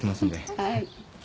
はい。